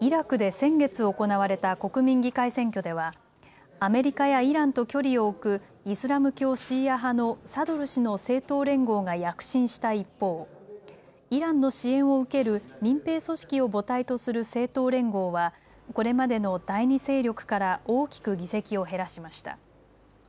イラクで先月行われた国民議会選挙ではアメリカやイランと距離を置くイスラム教シーア派のサドル師の政党連合が躍進した一方、イランの支援を受ける民兵組織を母体とする政党連合は、これまでの第２勢力から大きく議席を減らしました。